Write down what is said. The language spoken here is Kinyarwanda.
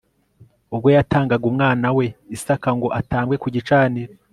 ubwo yatangaga umwana we isaka ngo atambwe kugicaniro